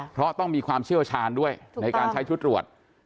เพราะต้องมีความเชี่ยวชาญด้วยในการใช้ชุดตรวจ